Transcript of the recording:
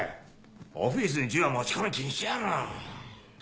オフィスに銃は持ち込み禁止やろ。